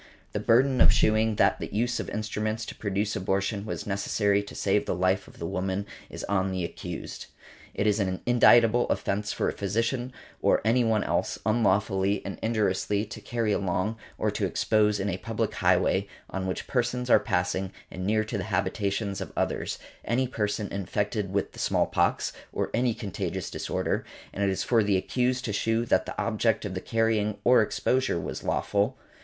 The burden of shewing that the use of instruments to produce abortion was necessary to save the life of the woman is on the accused . It is an indictable offence for a physician, or any one else, unlawfully and injuriously to carry along or to expose in a public highway, on which persons are passing, and near to the habitations of others, any person infected with the small pox, or any contagious disorder; and it is for the accused to shew that the object of the carrying or exposure was lawful .